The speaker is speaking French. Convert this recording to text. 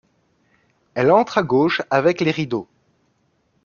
Elle entre à gauche avec les rideaux.